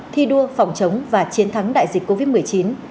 thi đua phòng chống và chiến thắng đại dịch covid một mươi chín